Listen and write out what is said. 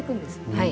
はい。